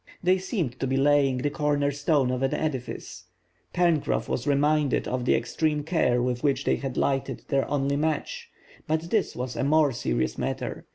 They seemed to be laying the corner stone of an edifice. Pencroff was reminded of the extreme care with which they had lighted their only match; but this was a more serious matter.